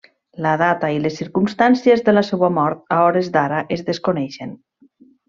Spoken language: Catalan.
La data i les circumstàncies de la seua mort a hores d'ara es desconeixen.